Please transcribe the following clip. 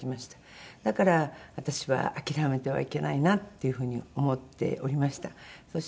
だから私は諦めてはいけないなっていう風に思っておりました。